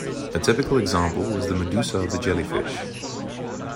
A typical example was the medusa of the jellyfish.